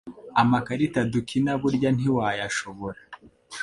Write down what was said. Amakarita dukina burya ntiwayashobora